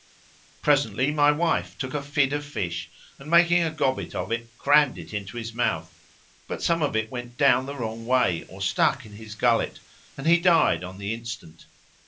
Presently my wife took a fid of fish and, making a gobbet of it,[FN#510] crammed it into his mouth; but some of it went down the wrong way or stuck in his gullet and he died on the instant.